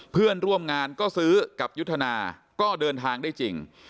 เพื่อนร่วมงานก็ซื้อกับยุทธนาก็เดินทางได้จริง